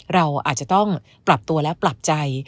เราอาจจะต้องปรับตัวและปรับใจ